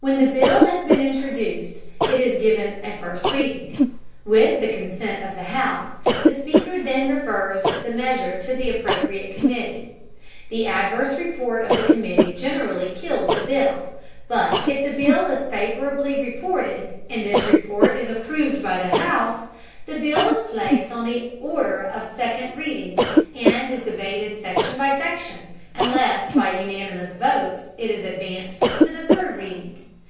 When the bill has been introduced, it is given a first reading. With the consent of the house, the speaker then refers the measure to the appropriate committee. The adverse report of the committee generally kills the bill; but if the bill is favorably reported, and this report is approved by the house, the bill is placed on the order of second reading and is debated section by section, unless by unanimous vote it is advanced to the third reading.